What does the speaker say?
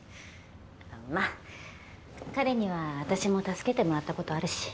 まあ彼には私も助けてもらったことあるし。